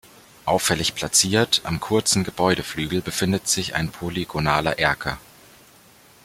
Auffällig platziert, am kurzen Gebäudeflügel, befindet sich ein polygonaler Erker.